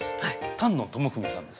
丹野智文さんです。